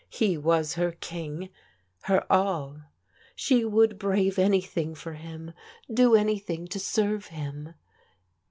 He was her king, her all. She would brave anything for him, do anything to serve him.